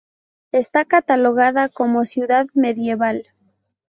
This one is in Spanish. Está catalogada como ciudad medieval.